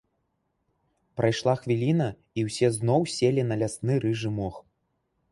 Прайшла хвіліна, і ўсе зноў селі на лясны рыжы мох.